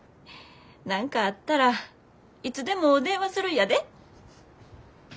何かあったらいつでも電話するんやで。